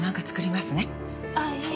ああいえ。